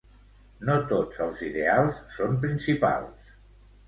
No tots els ideals són principals.